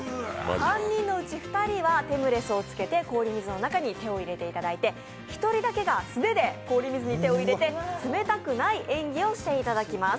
３人のうち２人はテムレスをつけて氷水の中に手を入れていただいて、１人だけが素手で氷水に手を入れていただいて冷たくない演技をしていただきます。